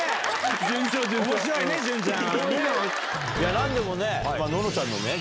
何でもね。